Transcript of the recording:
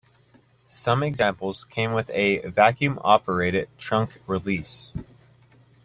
Some examples came with a vacuum-operated trunk release.